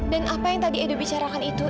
dan apa yang tadi edo bicarakan itu